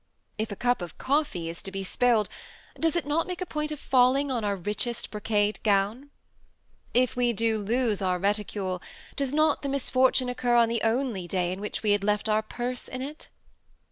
If a cup of coffee is to be spilled, does it not make a point of falling on our rich J THE SEMI ATTACHED COUPLE. 18 est brocade gown ? If we do lose our reticule, does not the misfortune occur on the only day on which we had left our purse in it